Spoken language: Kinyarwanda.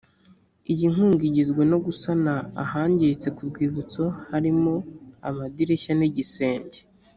iyi nkunga igizwe no gusana ahangiritse ku rwibutso harimo amadirishya n’iigisenge